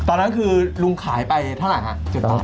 ตอนนั้นคือลุงขายไปเท่าไหร่ฮะ